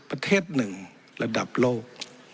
ประเทศหนึ่งระดับโลก